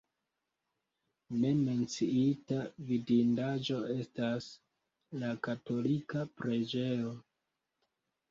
Ne menciita vidindaĵo estas la katolika preĝejo.